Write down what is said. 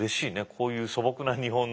こういう素朴な日本の。